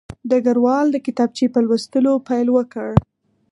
ډګروال د کتابچې په لوستلو پیل وکړ